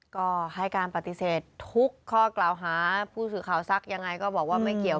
ก็ให้การปฏิเสธทุกข้อกล่าวหาผู้สื่อข่าวซักยังไงก็บอกว่าไม่เกี่ยว